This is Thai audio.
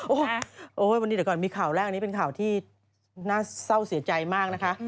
โอ้โหวันนี้เดี๋ยวก่อนมีข่าวแรกอันนี้เป็นข่าวที่น่าเศร้าเสียใจมากนะคะ